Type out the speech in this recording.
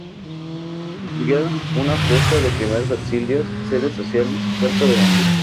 Construyeron una Posta de Primeros Auxilios Sedes Sociales, Cuerpo de Bomberos.